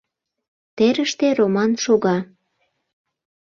Терыште Роман шога.